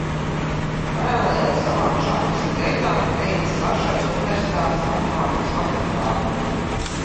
Paralēli savām šahista gaitām beidzis Varšavas universitātes matemātikas fakultāti.